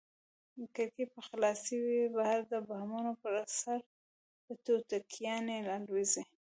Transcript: کړکۍ به خلاصې وي، بهر د بامونو پر سر به توتکیانې الوزي.